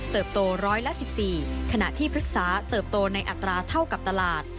โตร้อยละ๑๔ขณะที่พฤกษาเติบโตในอัตราเท่ากับตลาด